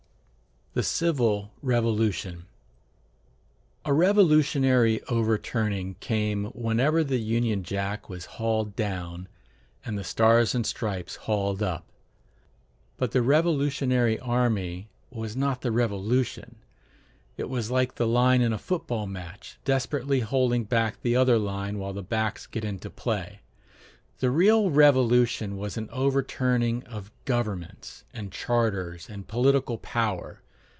THE CIVIL REVOLUTION A revolutionary overturning came whenever the Union Jack was hauled down and the Stars and Stripes hauled up. But the revolutionary army was not the Revolution: it was like the line in a football match, desperately holding back the other line while the backs get into play. The real Revolution was an overturning of governments, and charters, and political power.